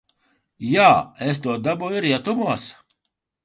Jā, es to dabūju rietumos.